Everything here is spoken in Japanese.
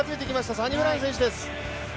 サニブラウン選手です。